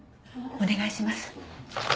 お願いします。